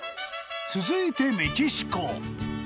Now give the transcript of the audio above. ［続いて］